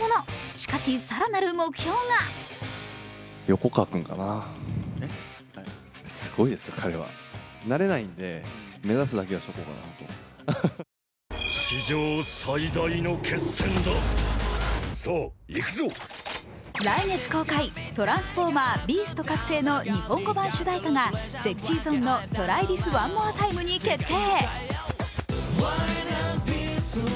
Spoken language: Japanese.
しかし、更なる目標が来月公開「トランスフォーマー／ビースト覚醒」の日本語版主題歌がＳｅｘｙＺｏｎｅの「ＴｒｙＴｈｉｓＯｎｅＭｏｒｅＴｉｍｅ」に決定。